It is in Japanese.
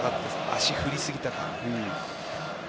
足、振りすぎたか。